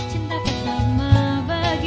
takkan ada yang bisa mengganti